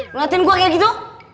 ngeliatin gua kayak gitu